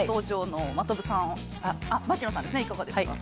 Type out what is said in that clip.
初登場の、槙野さんですね、いかがですか。